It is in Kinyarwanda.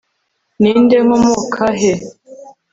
ndi nde? nkomoka he